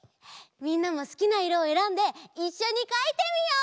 みんなもすきないろをえらんでいっしょにかいてみよう！